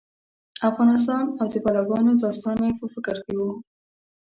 افغانستان او د بلاګانو داستان یې په فکر کې و.